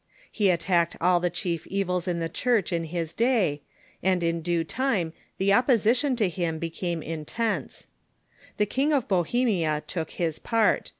He attacked all the chief evils of the Church in his day, and in due time the opposition to him became intense. The King of Bohemia took his part.